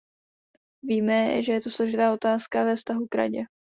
Víme, že je to složitá otázka ve vztahu k Radě.